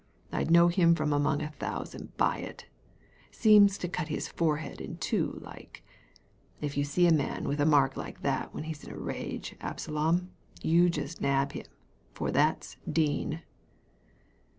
I'd know him from among a thousand by it Seems to cut his forehead in two like. If you see a man with a mark like that when he's in a rage, Absalom, just you nab him, for that's Dean."